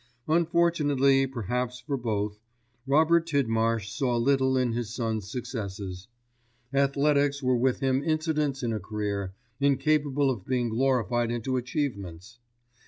Unfortunately perhaps for both, Robert Tidmarsh saw little in his son's successes. Athletics were with him incidents in a career, incapable of being glorified into achievements.